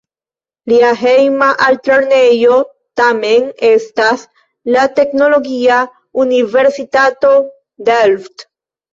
Lia "hejma" altlernejo tamen estas la Teknologia Universitato Delft.